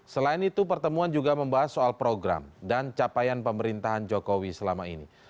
selain itu pertemuan juga membahas soal program dan capaian pemerintahan jokowi selama ini